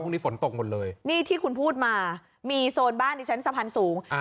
นี้ฝนตกหมดเลยนี่ที่คุณพูดมามีโซนบ้านดิฉันสะพานสูงอ่า